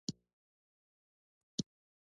ازادي راډیو د اقلیتونه په اړه د نوښتونو خبر ورکړی.